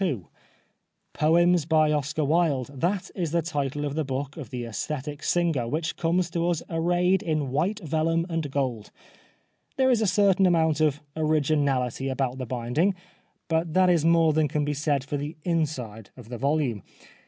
187 The Life of Oscar Wilde ' Poems/ by Oscar Wilde, that is the title of the book of the aesthetic singer, which comes to us arrayed in white vellum and gold. There is a certain amount of originality about the binding, but that is more than can be said for the inside of the volume.